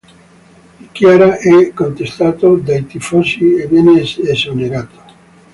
Di Chiara è contestato dai tifosi e viene esonerato.